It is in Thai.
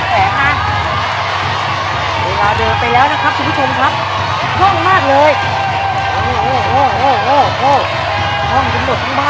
เริ่มครับ